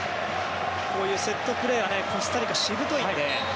こういうセットプレーはコスタリカ、しぶといので。